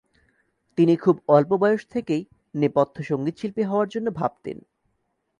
তিনি খুব অল্প বয়স থেকেই নেপথ্য সঙ্গীতশিল্পী হওয়ার জন্য ভাবতেন।